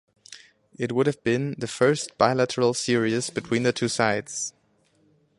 It would have been the first bilateral series between the two sides.